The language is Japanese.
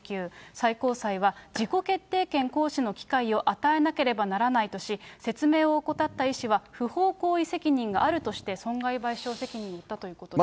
最高裁は自己決定権行使の機会を与えなければならないとし、説明を怠った医師は不法行為責任があるとして、損害賠償責任を負ったということです。